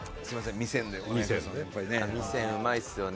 味仙うまいですよね。